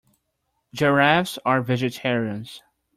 Giraffes are vegetarians.